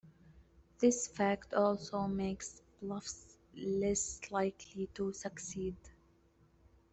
This fact also makes bluffs less likely to succeed.